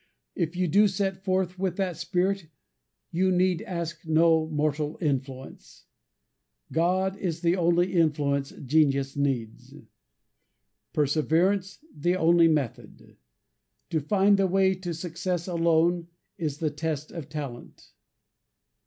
If you do set forth with that spirit, you need ask no mortal influence. God is the only influence genius needs. Perseverance the only method. To find the way to success alone, is the test of talent.